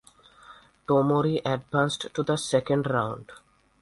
Tomori advanced to the second round.